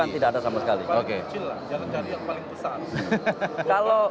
jangan cari yang paling besar